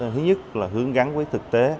thứ nhất là hướng gắn với thực tế